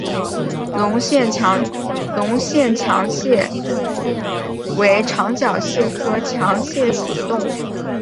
隆线强蟹为长脚蟹科强蟹属的动物。